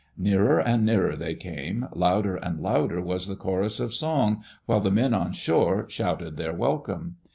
Nearer and nearer they came, louder and louder was die chorus of song, while the men on shore shouted their welcome.